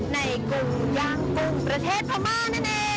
กรุงย่างกุ้งประเทศพม่านั่นเอง